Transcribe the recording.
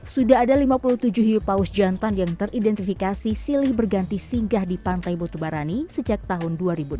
sudah ada lima puluh tujuh hiu paus jantan yang teridentifikasi silih berganti singgah di pantai botubarani sejak tahun dua ribu enam belas